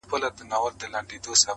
خدای زموږ معبود دی او رسول مو دی رهبر~